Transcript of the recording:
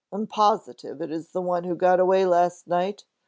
"I'm positive it is the one who got away last night.